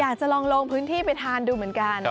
อยากจะลองลงพื้นที่ไปทานดูเหมือนกัน